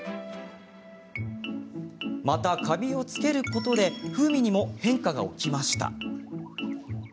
またカビを付けることで風味にも変化が起きました。